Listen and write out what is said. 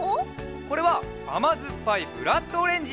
これはあまずっぱいブラッドオレンジ。